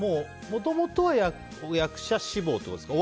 もともとは役者志望ってことですか。